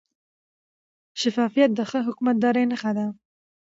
شفافیت د ښه حکومتدارۍ نښه ده.